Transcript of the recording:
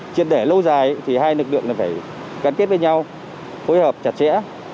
chiến đẻ lâu dài thì hai lực lượng phải gắn kết với nhau phối hợp chặt chẽ